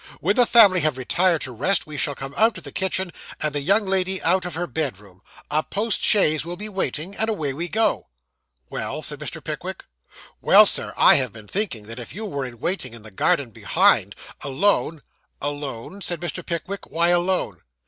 When the family have retired to rest, we shall come out of the kitchen, and the young lady out of her bedroom. A post chaise will be waiting, and away we go.' 'Well?' said Mr. Pickwick. 'Well, sir, I have been thinking that if you were in waiting in the garden behind, alone ' 'Alone,' said Mr. Pickwick. 'Why alone?